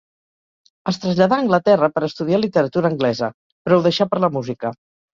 Es traslladà a Anglaterra per estudiar literatura anglesa, però ho deixà per la música.